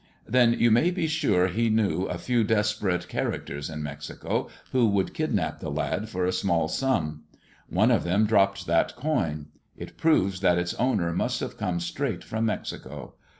"Then you may be sure he knew a few desperate cha racters in Mexico who would kidnap the lad for a small sum. One of them dropped that coin. It proves that its owner must have come straight from Mexico.